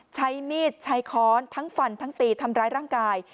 ใช้มีดใช้ค้อนทั้งฟันทั้งตีทำร้ายร่างกาย